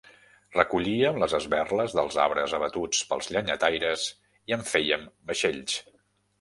Recollíem les esberles dels arbres abatuts pels llenyataires i en fèiem vaixells.